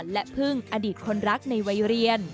และพึ่งอดีตคนรักในวัยเรียน